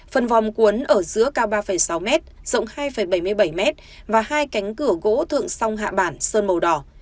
phần vòng cuốn ở giữa cao ba sáu m rộng hai bảy mươi bảy m và hai cánh cửa gỗ thượng song hạ bản sơn màu đỏ